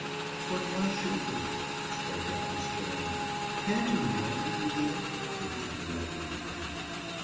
"But why should he?" spoke up Miss Gerald. "Can't you enlighten me, dear?" To the temperamental young thing.